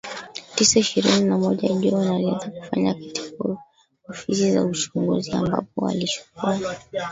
tisa ishirini na moja John alianza kufanya kazi katika Ofisi ya Uchunguzi ambapo alichukua